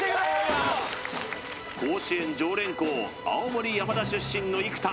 甲子園常連校青森山田出身の生田